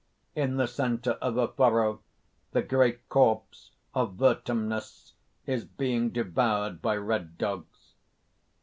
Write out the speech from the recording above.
_ _In the centre of a furrow, the great corpse of Vertumnus is being devoured by red dogs.